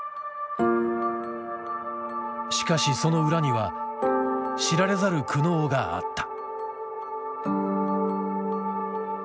しかしその裏には知られざる苦悩があった。